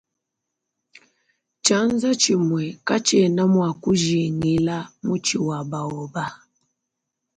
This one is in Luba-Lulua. Tshianza tshimue katshiena mua ku jingila mutshi wa baoba.